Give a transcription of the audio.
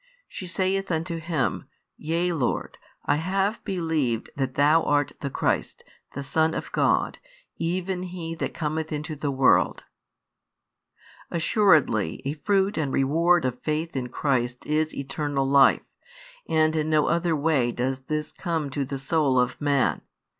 She saith unto Him. Yea, Lord: I have believed that Thou art the Christ, the Son of God, even He that cometh into the world. Assuredly a fruit and reward of faith in Christ is eternal life, and in no other way does this come to the soul of man.